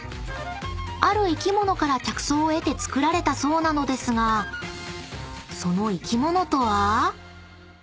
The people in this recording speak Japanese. ［ある生き物から着想を得て作られたそうなのですがその生き物とは？］